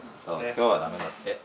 今日はダメだって。